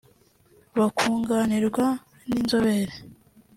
bakunganirwa n’inzobere